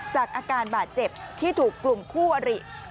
จากอาการบาดเจ็บที่ถูกกลุ่มคู่อริ